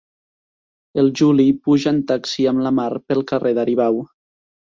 El Juli puja en taxi amb la Mar pel carrer d'Aribau.